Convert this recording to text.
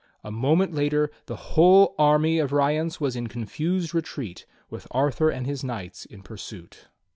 A moment later the whole army of Rience was in confused retreat, with Arthur and his knights in pursuit.